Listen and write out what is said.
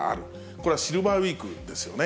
これはシルバーウイークですよね。